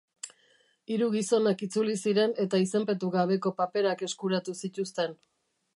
Hiru gizonak itzuli ziren eta izenpetu gabeko paperak eskuratu zituzten.